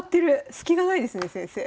スキがないですね先生。